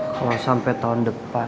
kalau sampai tahun depan